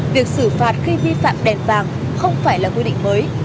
việc xử phạt khi vi phạm đèn vàng không phải là quy định mới